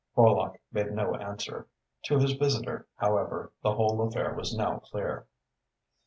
Horlock made no answer. To his visitor, however, the whole affair was now clear.